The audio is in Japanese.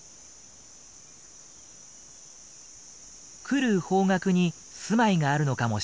来る方角に住まいがあるのかもしれません。